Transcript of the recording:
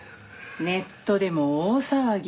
ネットでも大騒ぎ。